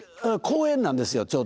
公園なんですよ